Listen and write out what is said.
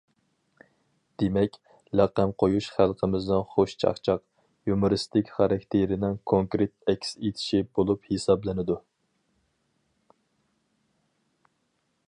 دېمەك، لەقەم قويۇش خەلقىمىزنىڭ خۇش چاقچاق، يۇمۇرىستىك خاراكتېرىنىڭ كونكرېت ئەكس ئېتىشى بولۇپ ھېسابلىنىدۇ.